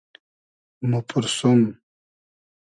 موپورسوم